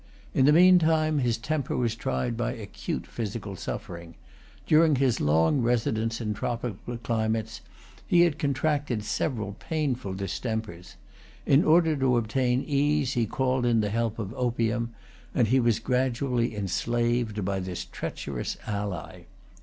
In the meantime, his temper was tried by acute physical suffering. During his long residence in tropical climates, he had contracted several painful distempers. In order to obtain ease he called in the help of opium; and he was gradually enslaved by this treacherous ally.